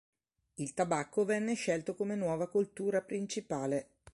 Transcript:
Il tabacco venne scelto come nuova coltura principale.